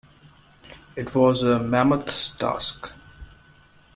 It was a mammoth task.